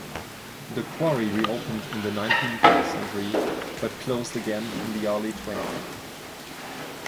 The quarry reopened in the nineteenth century but closed again in the early twentieth.